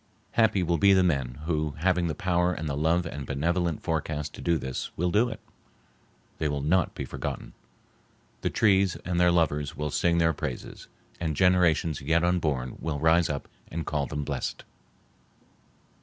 Happy will be the men who, having the power and the love and benevolent forecast to do this, will do it. They will not be forgotten. The trees and their lovers will sing their praises, and generations yet unborn will rise up and call them blessed.